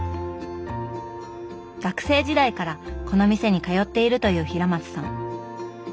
学生時代からこの店に通っているという平松さん。